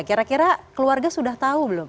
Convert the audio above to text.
kira kira keluarga sudah tahu belum